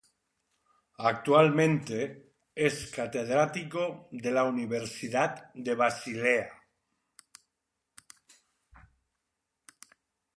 Actualmente es catedrático de la Universidad de Basilea.